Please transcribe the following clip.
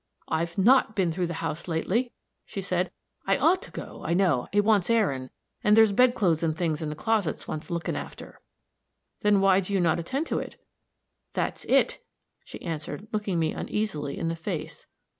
"I've not been through the house lately," she said. "I ought to go, I know it wants airin', and there's bedclothes and things in the closet wants lookin' after." "Then why do you not attend to it?" "That's it," she answered, looking me uneasily in the face.